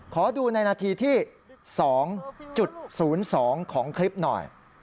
ขอดูในนาทีที่๒๐๒ของคลิปหน่อย